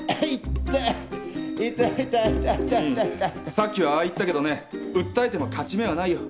さっきはああ言ったけどね訴えても勝ち目はないよ。